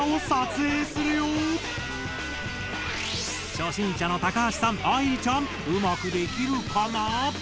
初心者の高橋さん愛莉ちゃんうまくできるかな？